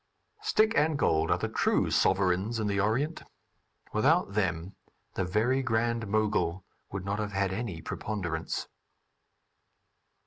Stick and gold are the true sovereigns in the Orient; without them the Very Grand Mogul would not have had any preponderance.